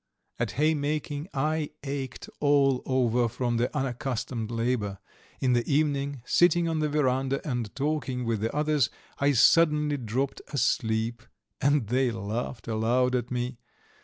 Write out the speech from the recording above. At haymaking I ached all over from the unaccustomed labour; in the evening, sitting on the verandah and talking with the others, I suddenly dropped asleep, and they laughed aloud at me.